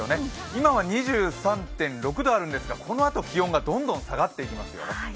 今は２３．６度あるんですがこのあと気温がどんどん下がっていきますよ。